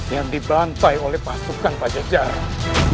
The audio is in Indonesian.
yang dibantai oleh pasukan pajak jarang